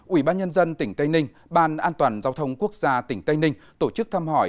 ubnd tỉnh tây ninh ban an toàn giao thông quốc gia tỉnh tây ninh tổ chức thăm hỏi